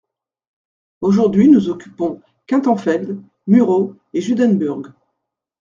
Aujourd'hui nous occupons Kintenfeld, Murau et Jundenburg.